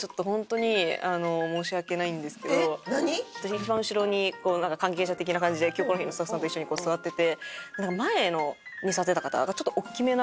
一番後ろに関係者的な感じで『キョコロヒー』のスタッフさんと一緒にこう座ってて。